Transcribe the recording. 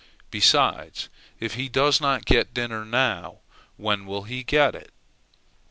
Besides, if he does not get dinner now, when will he get it?